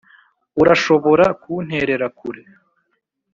urashobora kunterera kure?